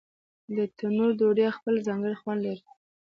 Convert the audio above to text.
د تنور ډوډۍ خپل ځانګړی خوند لري.